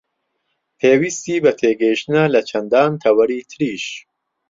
پێویستی بە تێگەیشتنە لە چەندان تەوەری تریش